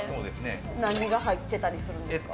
何が入ってたりするんですか？